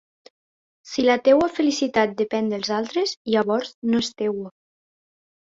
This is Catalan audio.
Si la teua felicitat depèn dels altres, llavors no és teua.